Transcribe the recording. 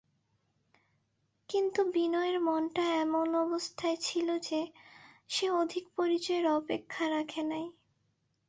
কিন্তু বিনয়ের মনটা এমন অবস্থায় ছিল যে, সে অধিক পরিচয়ের অপেক্ষা রাখে নাই।